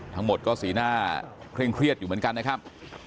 ทั้งหมดก็สีหน้าเคร่งเครียดอยู่เหมือนกันนะครับ